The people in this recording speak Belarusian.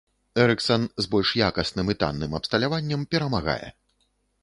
Эрыксан, з больш якасным і танным абсталяваннем, перамагае.